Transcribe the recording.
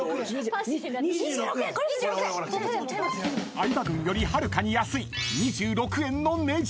［相葉軍よりはるかに安い２６円のねじ］